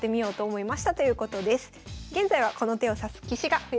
現在はこの手を指す棋士が増えてます。